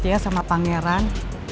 ya sama pangeran